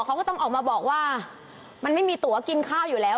เขาก็ต้องออกมาบอกว่ามันไม่มีตัวกินข้าวอยู่แล้ว